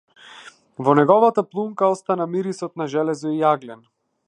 Во неговата плунка остана мирисот на железо и јаглен.